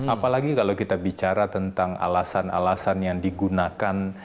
apalagi kalau kita bicara tentang alasan alasan yang digunakan